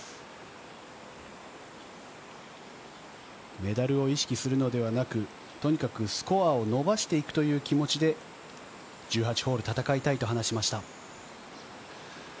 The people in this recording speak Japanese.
メダルを意識するのではなく、とにかくスコアを伸ばしていくという気持ちで１８ホール戦いたいと話しました。